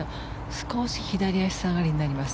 少し左足下がりになります。